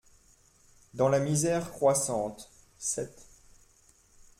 Dans la misère croissante (sept.